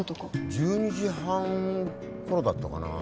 １２時半頃だったかなあ